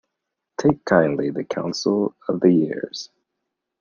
Take kindly the counsel of the years